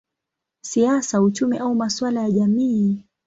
siasa, uchumi au masuala ya jamii.